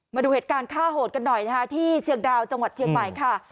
มาดูเหตุการณ์ฆ่าโหดกันหน่อยนะคะที่เชียงดาวจังหวัดเชียงใหม่ค่ะ